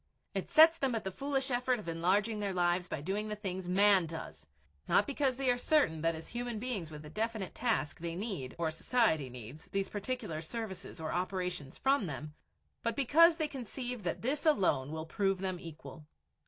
It sets them at the foolish effort of enlarging their lives by doing the things man does not because they are certain that as human beings with a definite task they need or society needs these particular services or operations from them, but because they conceive that this alone will prove them equal.